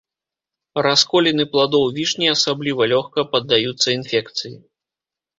Расколіны пладоў вішні асабліва лёгка паддаюцца інфекцыі.